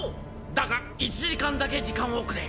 だが１時間だけ時間をくれ。